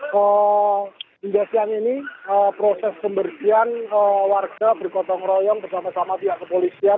hingga siang ini proses pembersihan warga bergotong royong bersama sama pihak kepolisian